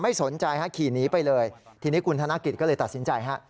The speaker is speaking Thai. สนใจฮะขี่หนีไปเลยทีนี้คุณธนกิจก็เลยตัดสินใจฮะ